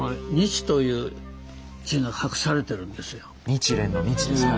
「日蓮」の「日」ですか？